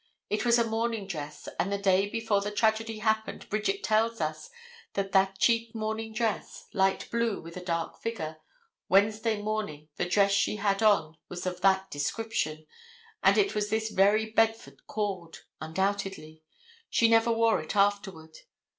It was a morning dress, and the day before the tragedy happened Bridget tells us that that cheap morning dress, light blue with a dark figure, Wednesday morning the dress she had on was of that description, and it was this very bedford cord. Undoubtedly. She never wore it afterward.